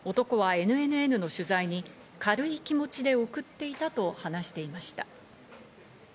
男はＮＮＮの取材に、軽い気持ちで送っていたと話していました。